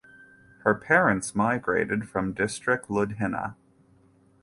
Her parents migrated from district Ludhiana.